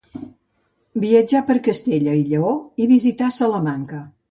Viatjà per Castella i Lleó i visità Salamanca.